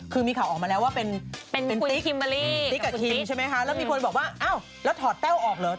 คือมีข่าวออกมาแล้วว่าเป็นติ๊กกับคิมใช่ไหมคะแล้วมีคนบอกว่าอ้าวแล้วถอดแต้วออกเหรอ